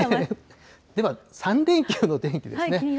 では、３連休の天気ですね。